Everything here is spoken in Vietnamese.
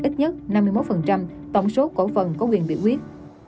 ít nhất năm mươi một tổng số cổ phần có quyền biểu quyết